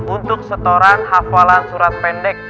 untuk setoran hafalan surat pendek